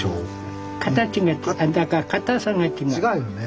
違うよね。